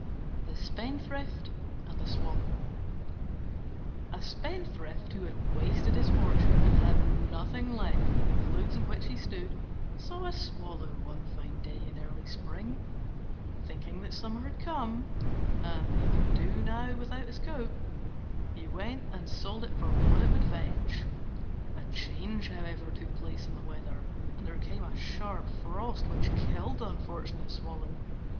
THE SPENDTHRIFT AND THE SWALLOW A Spendthrift, who had wasted his fortune, and had nothing left but the clothes in which he stood, saw a Swallow one fine day in early spring. Thinking that summer had come, and that he could now do without his coat, he went and sold it for what it would fetch. A change, however, took place in the weather, and there came a sharp frost which killed the unfortunate Swallow.